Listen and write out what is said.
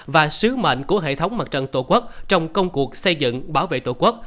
và sứ mệnh của hệ thống mặt trận tổ quốc trong công cuộc xây dựng bảo vệ tổ quốc